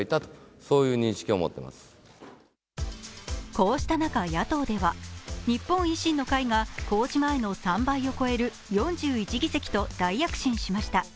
こうした中、野党では日本維新の会が公示前の３倍を超える４１議席と大躍進しました。